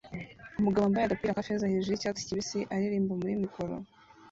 Umugabo wambaye agapira ka feza hejuru yicyatsi kibisi aririmba muri mikoro